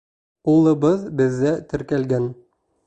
Улыбыҙ беҙҙә теркәлгән.